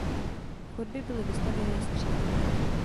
V chodbě byly vestavěné skříně.